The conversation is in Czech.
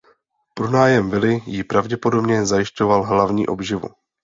Pronájem vily jí pravděpodobně zajišťoval hlavní obživu.